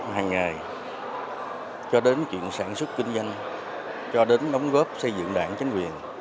hàng ngày cho đến chuyện sản xuất kinh doanh cho đến đóng góp xây dựng đảng chính quyền